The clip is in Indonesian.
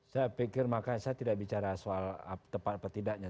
saya pikir makanya saya tidak bicara soal tepat atau tidaknya